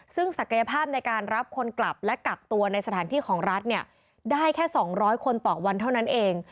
ซึ่งศักยภาพในการรับคนกลับและกักตัวในสถานที่ของรัฐเนี่ยได้แค่๒๐๐คนต่อวันเท่านั้นเอง